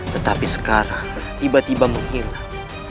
tetapi sekarang tiba tiba menghilang